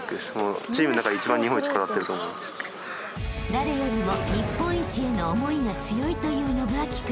［誰よりも日本一への思いが強いという伸光君］